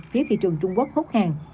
phía thị trường trung quốc hốt hàng